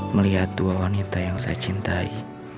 melihat dua wanita yang saya cintai